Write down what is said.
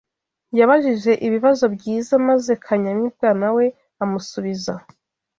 Yabajije ibibazo byiza maze Kanyamibwa na we amusubiza